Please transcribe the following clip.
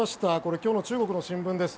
今日の中国の新聞です。